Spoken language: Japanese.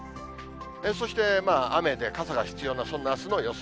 そして、雨で傘が必要な、そんなあすの予想